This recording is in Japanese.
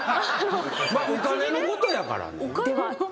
お金のことやからね。